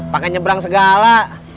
pake nyebrang segala